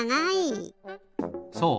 そう。